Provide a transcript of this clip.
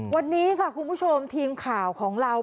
วันนี้ค่ะคุณผู้ชมทีมข่าวของเรา